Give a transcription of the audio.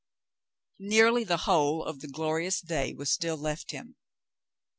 Nearly the whole of the glorious day was still left him.